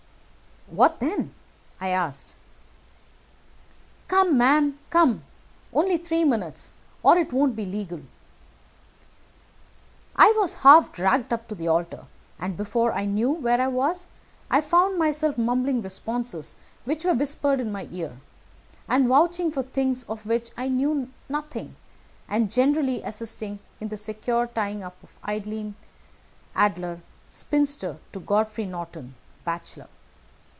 "'What then?' I asked. "'Come, man, come; only three minutes, or it won't be legal.' "I was half dragged up to the altar, and, before I knew where I was, I found myself mumbling responses which were whispered in my ear, and vouching for things of which I knew nothing, and generally assisting in the secure tying up of Irene Adler, spinster, to Godfrey Norton, bachelor.